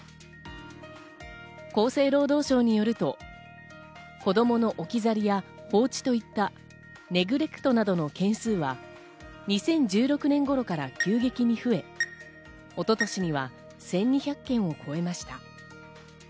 厚生労働省によると、子供の置き去りや放置といった、ネグレクトなどの件数は２０１６年頃から急激に増え、一昨年には１２００件を超えました。